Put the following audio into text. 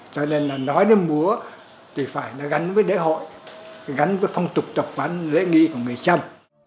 cho nên là nói đến múa thì phải nó gắn với lễ hội gắn với phong trục tộc văn lễ nghi của người trăm